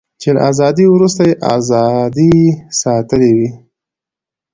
چې له ازادۍ وروسته یې ازادي ساتلې وي.